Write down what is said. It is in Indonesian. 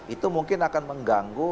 itu mungkin akan mengganggu